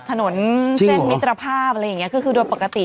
ถนนเส้นมิตรภาพอะไรอย่างนี้ก็คือโดยปกติ